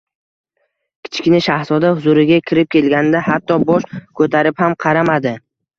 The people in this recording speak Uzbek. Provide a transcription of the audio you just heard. Kichkina shahzoda huzuriga kirib kelganida hatto bosh ko‘tarib ham qaramadi.